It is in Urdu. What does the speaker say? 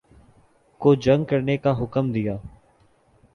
کو جنگ کرنے کا حکم دیا